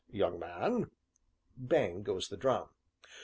[young man]." (Bang goes the drum.)